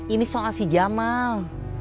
ini soal si jamal